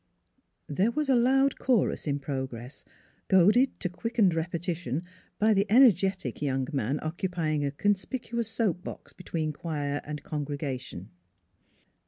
" There was a loud chorus in progress, goaded to quickened repetition by the energetic young man occupying a conspicuous soap box between choir and congregation.